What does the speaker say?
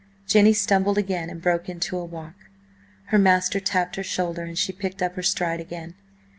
... Jenny stumbled again and broke into a walk. Her master tapped her shoulder, and she picked up her stride again.